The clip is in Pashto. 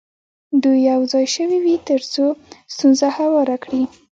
دوی یو ځای شوي وي تر څو ستونزه هواره کړي.